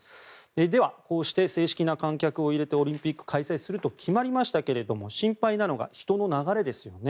ではこうして正式な観客を入れてオリンピック開催すると決まりましたが心配なのは人の流れですよね。